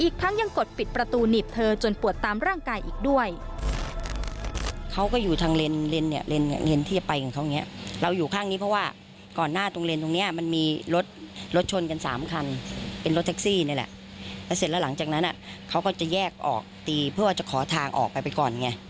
รถล่างนี้มีรถทางมีลดชน๓ครรฟิกซีแต่ถึงทางนี้เขาก็คอทางออกไปก่อน